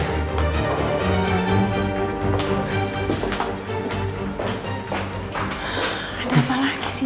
ada apa lagi sih